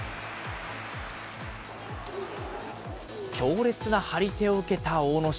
強烈な張り手を受けた阿武咲。